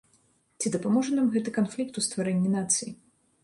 Ці дапаможа нам гэты канфлікт у стварэнні нацыі?